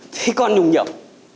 thì còn nhùng nhập